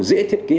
dễ thiết kế